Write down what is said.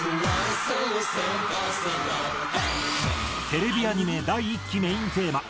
テレビアニメ第１期メインテーマ